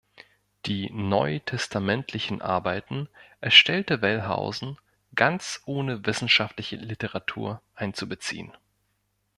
Die neutestamentlichen Arbeiten erstellte Wellhausen, ganz ohne wissenschaftliche Literatur einzubeziehen.